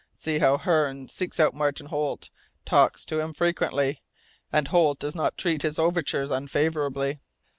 See how Hearne seeks out Martin Holt, talks to him frequently, and Holt does not treat his overtures unfavourably.''